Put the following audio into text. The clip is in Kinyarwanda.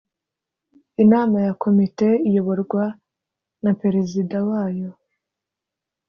Inama ya Komite iyoborwa na Perezida wayo